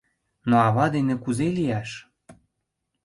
Но ава дене кузе лияш?